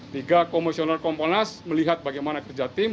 tiga komisioner komponas melihat bagaimana kerja tim